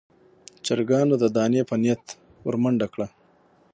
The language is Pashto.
چرګانو د دانې په نيت ور منډه کړه.